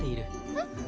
えっ？